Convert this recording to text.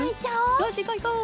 よしいこういこう！